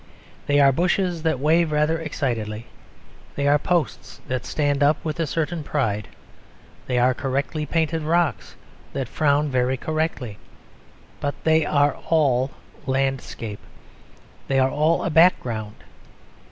They are bushes that wave rather excitedly; they are posts that stand up with a certain pride; they are correctly painted rocks that frown very correctly; but they are all landscape they are all a background.